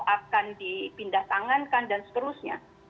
akan dipindah tangankan dan seterusnya